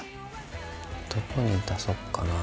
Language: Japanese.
どこに足そっかな。